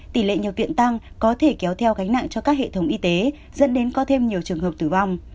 tỷ lệ nhập viện tăng có thể kéo theo gánh nặng cho các hệ thống y tế dẫn đến có thêm nhiều trường hợp tử vong